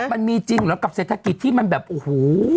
มันมีจริงเหรอกับเศรษฐกิจที่มันแบบโอ้โห